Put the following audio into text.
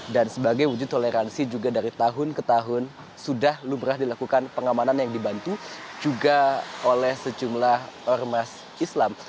dan sebagai wujud toleransi juga dari tahun ke tahun sudah lumrah dilakukan pengamanan yang dibantu juga oleh sejumlah ormas islam